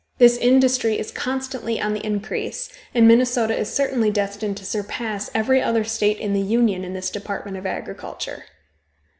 This industry is constantly on the increase, and Minnesota is certainly destined to surpass every other state in the Union in this department of agriculture.